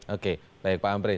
oke baik pak ampre